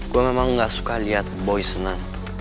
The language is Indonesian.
gue memang gak suka lihat boy senang